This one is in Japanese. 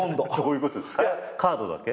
カードだけ？